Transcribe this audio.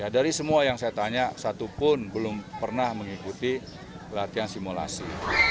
dari semua yang saya tanya satu pun belum pernah mengikuti latihan simulasi